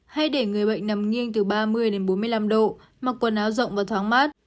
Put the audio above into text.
hay để người bệnh nằm nghiêng từ ba mươi đến bốn mươi năm độ mặc quần áo rộng và thoáng mát